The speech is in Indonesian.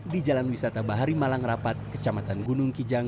di jalan wisata bahari malang rapat kecamatan gunung kijang